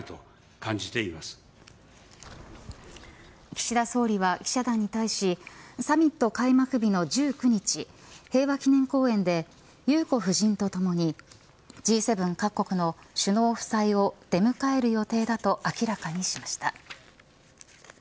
岸田総理は記者団に対しサミット開幕日の１９日平和記念公園で裕子夫人とともにＧ７各国の首脳夫妻を出迎える予定だと明らかにしました。